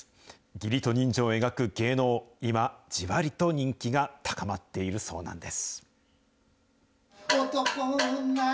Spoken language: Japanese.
義理と人情を描く芸能、今、じわりと人気が高まっているそうなんです。